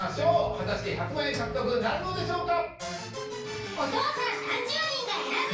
果たして１００万円獲得なるのでしょうか？